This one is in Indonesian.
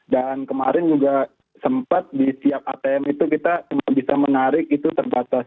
dan kemarin juga sempat di setiap atm itu kita cuma bisa menarik itu terbatas